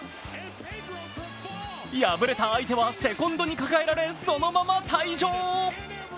敗れた相手はセコンドに抱えられ、そのまま退場。